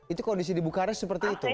itu kondisi di bukares seperti itu